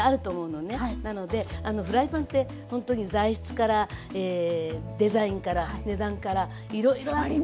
なのでフライパンってほんとに材質からデザインから値段からいろいろあって。